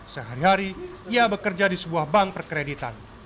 sehari hari ia bekerja di sebuah bank perkreditan